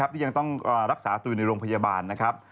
ที่ยังต้องรักษาตัวอยู่ในโรงพยาบาลนะครับ